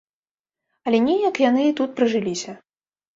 Але неяк яны і тут прыжыліся.